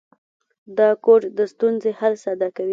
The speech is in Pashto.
دا کوډ د ستونزې حل ساده کوي.